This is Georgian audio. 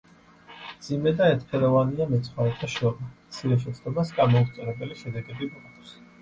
მძიმე და ერთფეროვანია მეცხვარეთა შრომა, მცირე შეცდომას გამოუსწორებელი შედეგები მოაქვს.